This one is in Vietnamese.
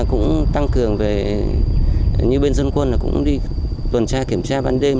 cũng tăng cường về như bên dân quân cũng đi tuần tra kiểm tra ban đêm